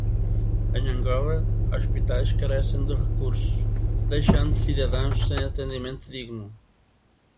Em Angola, hospitais carecem de recursos, deixando cidadãos sem atendimento digno